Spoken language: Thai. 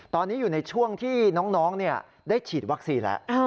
ตอนนี้อยู่ในช่วงที่น้องได้ฉีดวัคซีนแล้ว